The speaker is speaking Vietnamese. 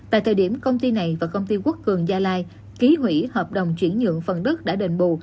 tại thời điểm công ty này và công ty quốc cường gia lai ký hủy hợp đồng chuyển nhượng phần đất đã đền bù